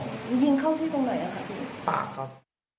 หยิงเข้าที่ตรงไหนครับคุณพี่ปากครับ